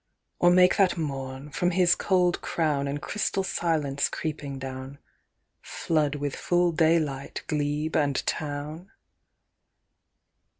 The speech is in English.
"Or make that morn, from his cold crown And crystal silence creeping down, Flood with full daylight glebe and town?